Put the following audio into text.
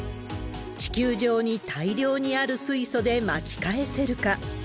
地球上に大量にある水素で巻き返せるか。